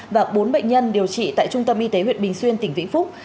và bốn bệnh nhân điều trị tại trung tâm y tế huyện bình xuyên tỉnh vĩnh phúc